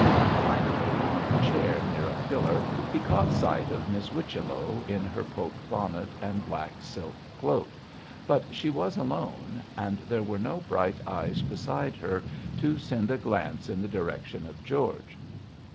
Finally, on a chair near a pillar, he caught sight of Miss Whichello in her poke bonnet and black silk cloak, but she was alone, and there were no bright eyes beside her to send a glance in the direction of George.